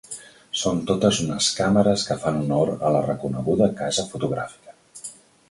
Són totes unes càmeres que fan honor a la reconeguda casa fotogràfica.